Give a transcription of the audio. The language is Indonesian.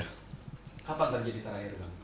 kapan terjadi terakhir bang